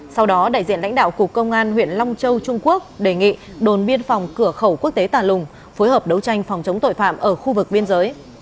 sau đó đại diện lãnh đạo cục công an huyện long châu trung quốc đề nghị đồn biên phòng cửa khẩu quốc tế tà lùng phối hợp đấu tranh phòng chống tội phạm ở khu vực biên giới